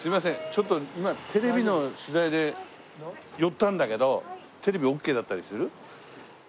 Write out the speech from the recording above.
ちょっと今テレビの取材で寄ったんだけどテレビオッケーだったりする？